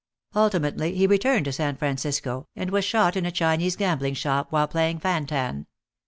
Ultimately he returned to San Francisco, and was shot in a Chinese gambling shop while playing fan tan.